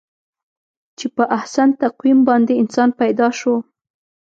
چې په احسن تقویم باندې انسان پیدا شو.